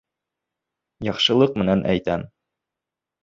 Яҡшылыҡ менән әйтәм.